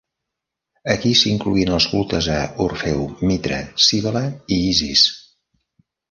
Aquí s"hi incloïen els cultes a Orfeu, Mitra, Cíbele i Isis.